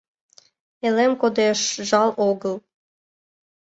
Ялем кодеш — жал огыл